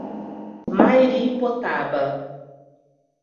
Mairipotaba